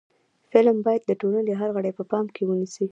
فلم باید د ټولنې هر غړی په پام کې ونیسي